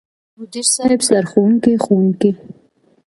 مدير صيب، سرښوونکو ،ښوونکو،